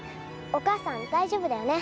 お母さん、大丈夫だよね？